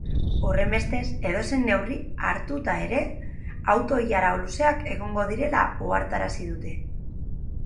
Horrenbestez, edozein neurri hartuta ere, auto-ilara luzeak egongo direla ohartarazi dute.